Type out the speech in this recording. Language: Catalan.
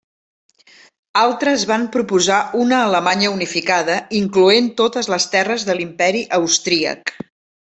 Altres van proposar una Alemanya unificada incloent totes les terres de l'Imperi austríac.